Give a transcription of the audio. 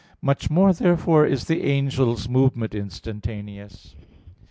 Much more therefore is the angel's movement instantaneous.